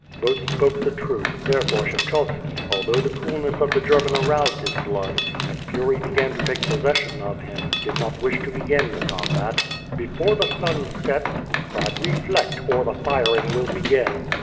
Both spoke the truth, therefore Kshechovski, although the coolness of the (icrman aroused his blood, and fury began to take possession of him, did not wish to begin the combat. "Before the sun sets," he cried, "reflect, or the firing will begin!"